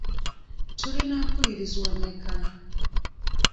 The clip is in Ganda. Tulina mpulirizwa mmeka?